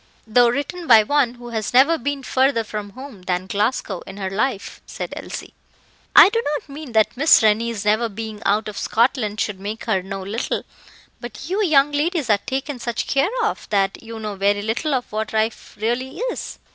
"Though written by one who has never been further from home than Glasgow in her life," said Elsie. "I do not mean that Miss Rennie's never being out of Scotland should make her know little; but you young ladies are taken such care of, that you know very little of what life really is."